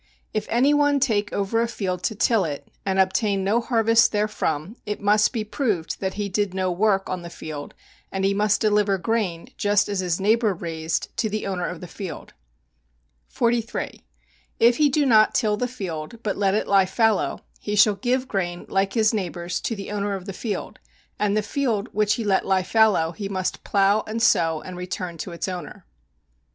If any one take over a field to till it, and obtain no harvest therefrom, it must be proved that he did no work on the field, and he must deliver grain, just as his neighbor raised, to the owner of the field. 43. If he do not till the field, but let it lie fallow, he shall give grain like his neighbor's to the owner of the field, and the field which he let lie fallow he must plow and sow and return to its owner.